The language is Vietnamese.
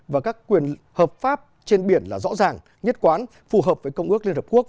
và các quyền hợp pháp trên biển là rõ ràng nhất quán phù hợp với công ước liên hợp quốc